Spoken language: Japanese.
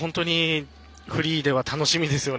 フリーでは楽しみですよね。